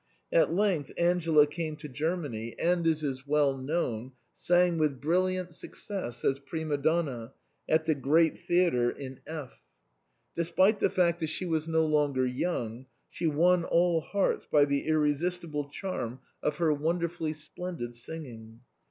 At length Angela came to Germany, and, as is well known, sang with brilliant success zs prima donna at the gieat theatre in F . Despite the fact that she was no longer young, she won all hearts by the irresistible charm of her won derfully splendid singing.